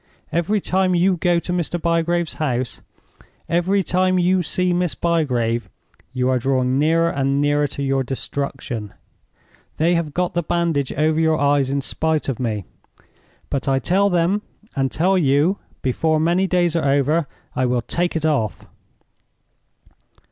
Every time you go to Mr. Bygrave's house, every time you see Miss Bygrave, you are drawing nearer and nearer to your destruction. They have got the bandage over your eyes in spite of me; but I tell them, and tell you, before many days are over I will take it off!"